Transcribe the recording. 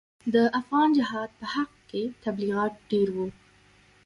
د افغان جهاد په حق کې تبلیغات ډېر وو.